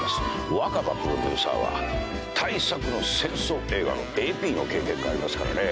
若葉プロデューサーは大作の戦争映画のＡＰの経験がありますからねえ。